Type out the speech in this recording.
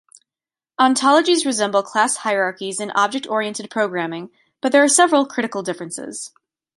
Ontologies resemble class hierarchies in object-oriented programming but there are several critical differences.